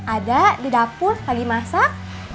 ada di dapur lagi masak